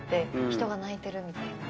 人が泣いてるみたいな。